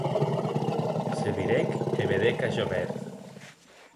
Se virèc e vedec a Javert.